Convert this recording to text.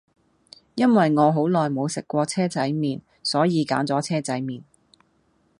因為我好耐無食過車仔麵,所以揀左車仔麵